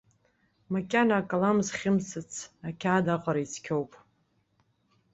Макьана акалам зхьымсыц ақьаад аҟара ицқьоуп.